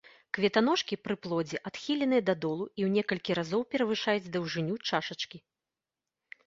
Кветаножкі пры плодзе адхіленыя дадолу і ў некалькі разоў перавышаюць даўжыню чашачкі.